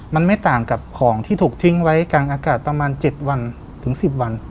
มันไม่ต่างกับของที่ถูกทิ้งไว้กลางอากาศประมาณ๗วันถึง๑๐วัน